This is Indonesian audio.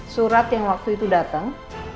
surat yang waktu itu datang